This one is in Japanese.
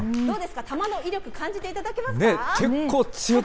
どうですか、玉の威力、感じていただけますか？